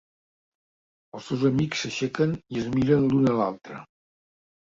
Els dos amics s'aixequen i es miren l'un a l'altre.